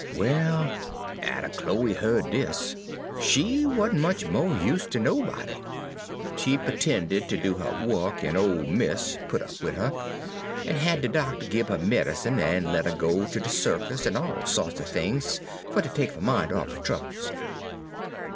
"Well, atter Chloe heared dis, she wa'n't much mo' use ter nobody. She pu'tended ter do her wuk, en ole mis' put up wid her, en had de doctor gib her medicine, en let 'er go ter de circus, en all so'ts er things fer ter take her min' off'n her troubles.